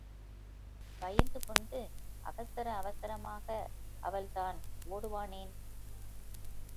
பயந்துகொண்டு அவசர அவசரமாக அவள் தான் ஓடுவானேன்?